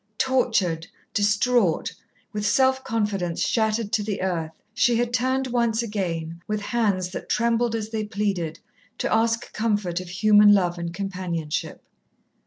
Tortured, distraught, with self confidence shattered to the earth, she had turned once again, with hands that trembled as they pleaded, to ask comfort of human love and companionship.